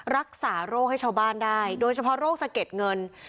รักษาโรคให้ชาวบ้านได้โดยเฉพาะโรคสะเก็ดเงิน